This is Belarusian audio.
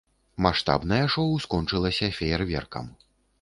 Маштабнае шоу скончылася феерверкам.